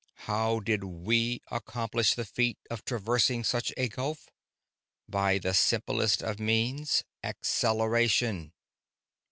How did we accomplish the feat of traversing such a gulf? By the simplest of means: acceleration.